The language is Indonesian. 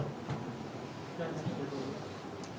terima kasih pak pak